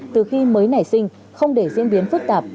từ khi mới nảy sinh không để diễn biến phức tạp